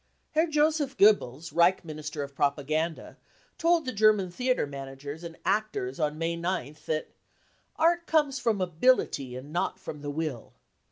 Herr Josef Goebbels, Reich Minister of Propaganda, told the German theatre managers and actors on May 9th that :" Art comes from ability and not from the will."